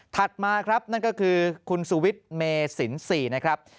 มาครับนั่นก็คือคุณสุวิทย์เมสิน๔นะครับ